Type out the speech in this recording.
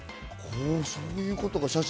そういうことか。